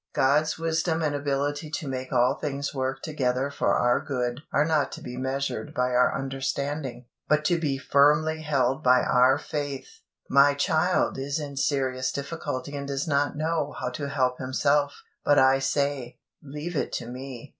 God's wisdom and ability to make all things work together for our good are not to be measured by our understanding, but to be firmly held by our faith. My child is in serious difficulty and does not know how to help himself; but I say, "Leave it to me."